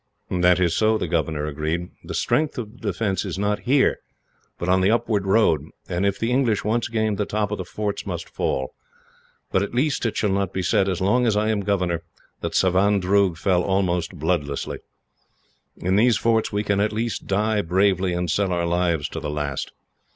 "That is so," the governor agreed. "The strength of the defence is not here, but on the upward road, and if the English once gained the top the forts must fall; but at least it shall not be said, as long as I am governor, that Savandroog fell almost bloodlessly. In these forts we can at least die bravely, and sell our lives to the last.